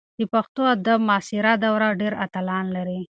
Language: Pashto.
د پښتو ادب معاصره دوره ډېر اتلان لري.